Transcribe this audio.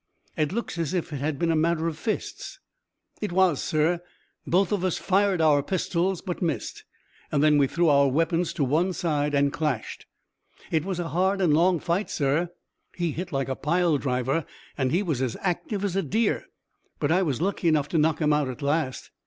"It looks as if it had been a matter of fists?" "It was, sir. Both of us fired our pistols, but missed. Then we threw our weapons to one side and clashed. It was a hard and long fight, sir. He hit like a pile driver, and he was as active as a deer. But I was lucky enough to knock him out at last."